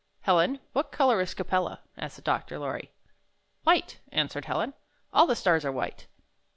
"Helen, what color is Capella?" asked Dr. LoiTy. "White," answered Helen. "All the stars are white."